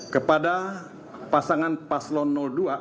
kepada pasangan paslon dua